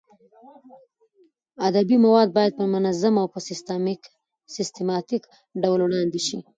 ادبي مواد باید په منظم او سیستماتیک ډول وړاندې شي.